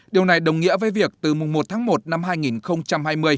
điều này đồng nghĩa với việc từ mùng một tháng một năm hai nghìn hai mươi